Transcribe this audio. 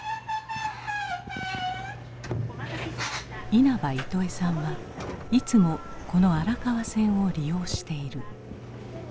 稲葉イトエさんはいつもこの荒川線を利用している。